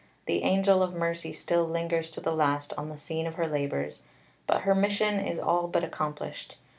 The angel of mercy still lingers to the last on the scene of her labours; but her mission is all but accomplished.